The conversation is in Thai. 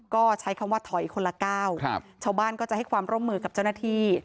ก็ใช้คำว่าถอยคนละก้าวชาวบ้านก็จะให้ความร่วมมือกับเจ้าหน้าที่